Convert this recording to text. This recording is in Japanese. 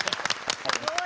すごい。